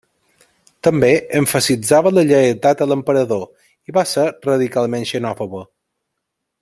També emfasitzava la lleialtat a l'Emperador i va ser radicalment xenòfoba.